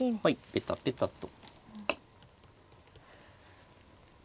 ペタペタと。